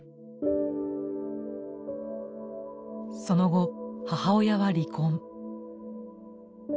その後母親は離婚。